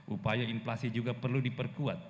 upaya inflasi juga perlu diperkuat